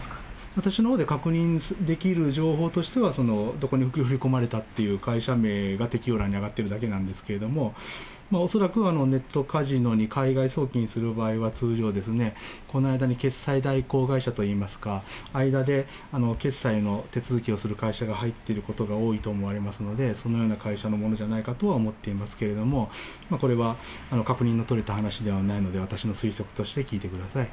私のほうで確認できる情報としては、どこに振り込まれたという会社名が摘要欄に挙がっているだけなんですけれども、恐らくネットカジノに海外送金する場合は通常ですね、この間に決済代行会社といいますか、間で決済の手続きをする会社が入っていることが多いと思われますので、そのような会社のものじゃないかとは思っていますけれども、これは確認の取れた話ではないので、私の推測として聞いてください。